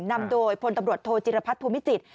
นำโดยพลตำรวจโทจิรพัฒน์ภูมิจิตร